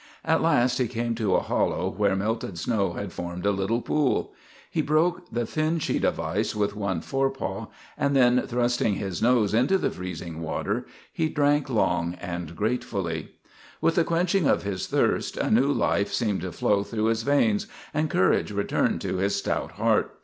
At last he came to a hollow where melting snow had formed a little pool. He broke the thin sheet of ice with one forepaw, and then, thrusting his nose into the freezing water, he drank long and gratefully. With the quenching of his thirst a new life seemed to flow through his veins and courage returned to his stout heart.